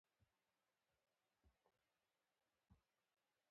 دغه راز توپیرونه به یې ډېر زیات لیدلي وای.